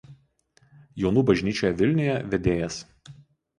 Jonų bažnyčioje Vilniuje vedėjas.